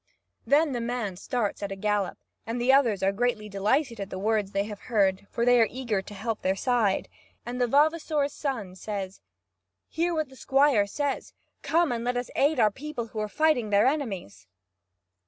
Then the man starts at a gallop, and the others are greatly delighted at the words they have heard, for they are eager to help their side. And the vavasor's son says: "Hear what this squire says! Come and let us aid our people who are fighting their enemies!"